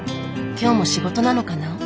今日も仕事なのかな？